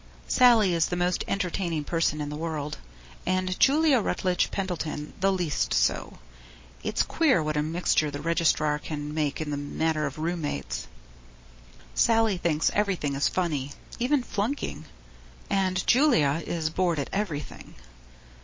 Sallie is the most entertaining person in the world and Julia Rutledge Pendleton the least so. It's queer what a mixture the registrar can make in the matter of room mates. Sallie thinks everything is funny even flunking and Julia is bored at everything.